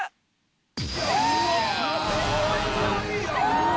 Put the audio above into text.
うわ！